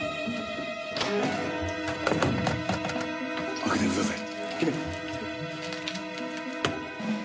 開けてください。